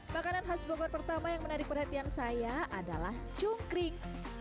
makanan khas bogor pertama yang menarik perhatian saya adalah cungkring